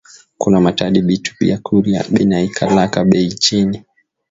Ku matadi bitu bya kurya binaikalaka beyi chini